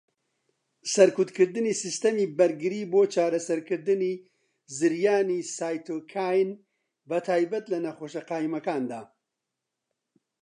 سەرکوتکردنی سیستەمی بەرگری بۆ چارەسەرکردنی زریانی سایتۆکاین، بەتایبەت لە نەخۆشه قایمەکاندا.